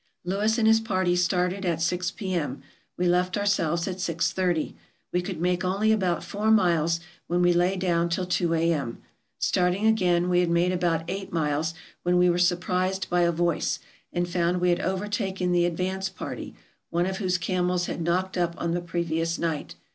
Lewis and his party started at six P.M. We left ourselves at six thirty. We could make only about four miles, when we lay down till two A.M. Starting again, we had made about eight miles when we were surprised by a voice, and found we had overtaken the advance party, one of whose camels had knocked up on the previous night.